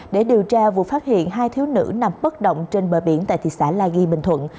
để điều tra vụ phát hiện hai thiếu nữ nằm bất động trên bờ biển tại thị xã la ghi bình thuận